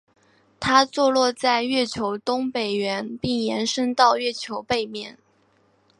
它坐落在月球东北缘并延伸到月球背面。